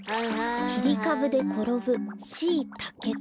「きりかぶでころぶシイタケ」と。